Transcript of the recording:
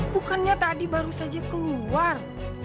bukannya tadi baru saja keluar